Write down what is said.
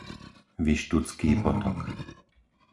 Vištucký potok